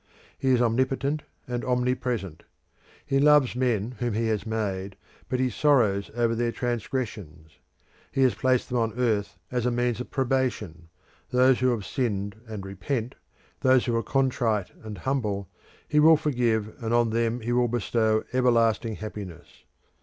He is omnipotent and omnipresent. He loves men whom he has made, but he sorrows over their transgressions. He has placed them on earth as a means of probation; those who have sinned and repent, those who are contrite and humble, he will forgive, and on them he will bestow everlasting happiness.